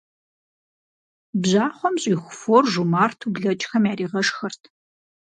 Бжьахъуэм щӀиху фор жумарту блэкӀхэм яригъэшхырт.